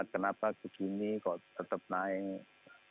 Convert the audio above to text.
kenapa ke dunia kok tetap naik